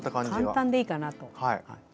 簡単でいいかなと。